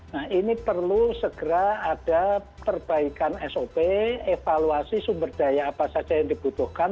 nah ini perlu segera ada perbaikan sop evaluasi sumber daya apa saja yang dibutuhkan